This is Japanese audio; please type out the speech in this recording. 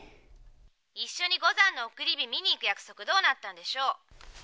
「一緒に五山の送り火見に行く約束どうなったんでしょう？」